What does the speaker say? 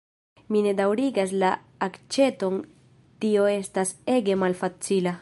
Mi ne daŭrigas la akĉenton tio estas ege malfacila